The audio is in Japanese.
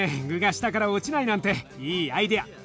具が下から落ちないなんていいアイデア。